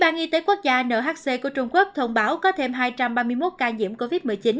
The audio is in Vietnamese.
trang y tế quốc gia nhc của trung quốc thông báo có thêm hai trăm ba mươi một ca nhiễm covid một mươi chín